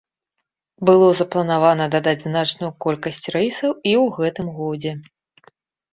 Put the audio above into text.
Было запланавана дадаць значную колькасць рэйсаў і ў гэтым годзе.